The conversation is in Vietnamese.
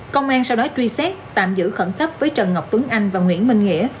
công an sau đó truy xét tạm giữ khẩn cấp với trần ngọc tuấn anh và nguyễn minh nghĩa